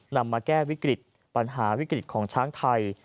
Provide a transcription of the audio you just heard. นำมาแก้วิกฤตปัญหาวิกฤตของช้างไทย